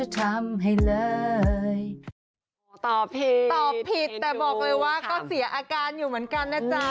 ตอบผิดแต่บอกเลยว่าก็เสียอาการอยู่เหมือนกันนะจ๊ะ